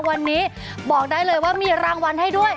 วันนี้บอกได้เลยว่ามีรางวัลให้ด้วย